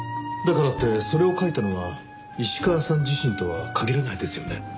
だからってそれを書いたのは石川さん自身とは限らないですよね？